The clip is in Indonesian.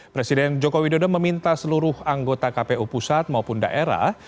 presiden joko widodo meminta seluruh anggota kpu pusat maupun daerah